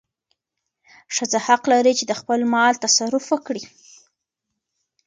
ښځه حق لري چې د خپل مال تصرف وکړي.